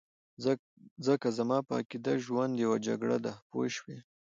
ځکه زما په عقیده ژوند یو جګړه ده پوه شوې!.